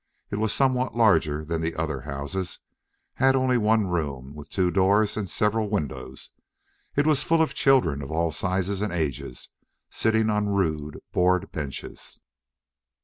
It was somewhat larger than the other houses, had only one room with two doors and several windows. It was full of children, of all sizes and ages, sitting on rude board benches.